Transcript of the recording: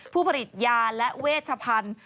ผู้ผลิตยาและเวชพันธุ์